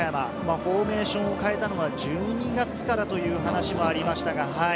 フォーメーショを変えたのは１２月からという話もありました。